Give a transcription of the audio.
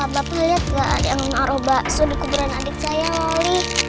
bapak liat gak yang naro bakso dikuburan adik saya loli